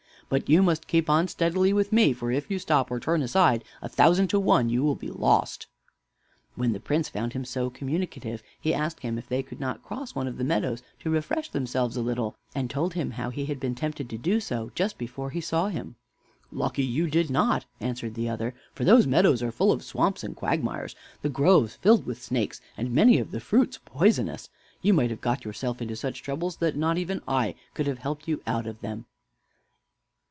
But you must keep on steadily with me; for if you stop or turn aside, a thousand to one you will be lost." When the Prince found him so communicative, he asked him if they could not cross one of the meadows to refresh themselves a little, and told him how he had been tempted to do so just before he saw him. "Lucky you did not," answered the other; "for those meadows are full of swamps and quagmires, the groves filled with snakes, and many of the fruits poisonous. You might have got yourself into such troubles that not even I could have helped you out of them."